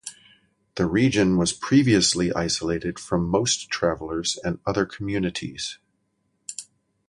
The region was previously isolated from most travelers and other communities.